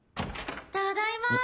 ただいまー。